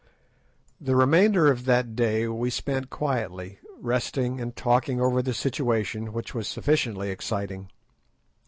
—Editor. The remainder of that day we spent quietly, resting and talking over the situation, which was sufficiently exciting.